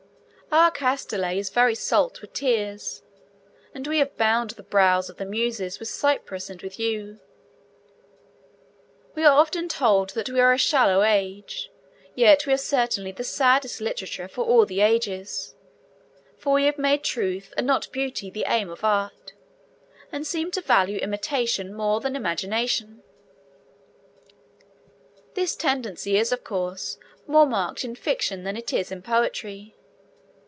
Our Castaly is very salt with tears, and we have bound the brows of the Muses with cypress and with yew. We are often told that we are a shallow age, yet we have certainly the saddest literature of all the ages, for we have made Truth and not Beauty the aim of art, and seem to value imitation more than imagination. This tendency is, of course, more marked in fiction than it is in poetry.